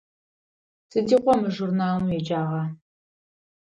Сыдигъо мы журналым уеджагъа?